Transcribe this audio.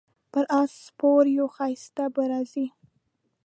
پر اس سپور یو ښایسته به راځي